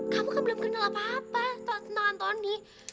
kamu kan belum kenal apa apa tentang anthony